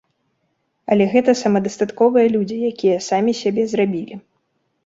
Але гэта самадастатковыя людзі, якія самі сябе зрабілі.